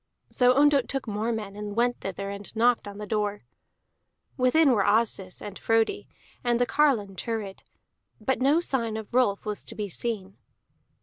So Ondott took more men, and went thither, and knocked on the door. Within were Asdis, and Frodi, and the carline Thurid; but no sign of Rolf was to be seen.